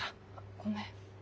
ごめん。